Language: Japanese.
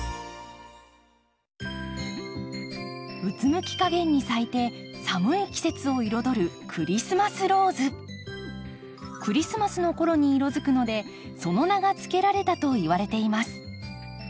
うつむきかげんに咲いて寒い季節を彩るクリスマスの頃に色づくのでその名が付けられたといわれています。